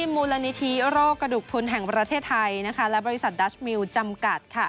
มูลนิธิโรคกระดูกทุนแห่งประเทศไทยและบริษัทดัชมิลจำกัด